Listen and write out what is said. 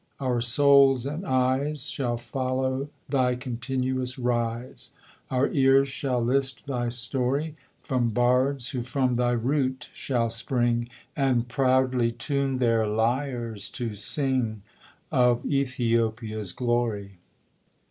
Our souls and eyes Shall follow thy continuous rise ; Our ears shall list thy story From bards who from thy root shall spring, And proudly tune their lyres to sing Of Ethiopia's glory."